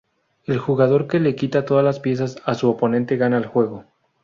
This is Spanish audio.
El jugador que le quita todas las piezas a su oponente gana el juego.